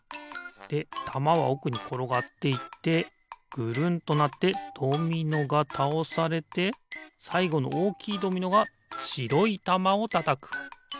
でたまはおくにころがっていってぐるんとなってドミノがたおされてさいごのおおきいドミノがしろいたまをたたく。